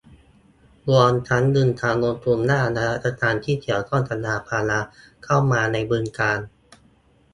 รวมทั้งดึงการลงทุนด้านนวัตกรรมที่เกี่ยวข้องกับยางพาราเข้ามาในบึงกาฬ